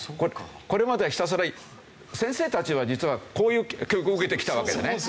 これまではひたすら先生たちは実はこういう教育を受けてきたわけでね。